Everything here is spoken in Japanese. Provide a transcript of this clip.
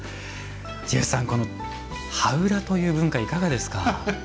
ジェフさん、この羽裏という文化いかがですか？